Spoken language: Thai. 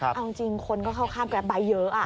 เอาจริงคนก็เข้าข้างแกรปไบท์เยอะ